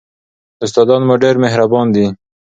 استادان مو ډېر مهربان دي.